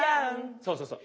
そうそうそう。